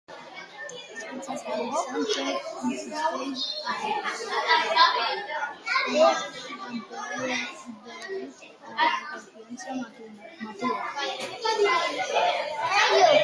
Sánchez insisteix a pactar amb Podem degut a la confiança mútua.